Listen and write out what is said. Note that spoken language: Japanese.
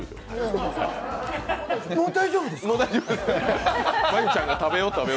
もう大丈夫ですよ。